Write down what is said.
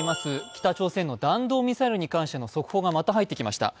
北朝鮮の弾道ミサイルに関する速報がまた入ってきました。